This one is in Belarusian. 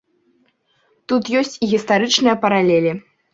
Тут ёсць і гістарычныя паралелі.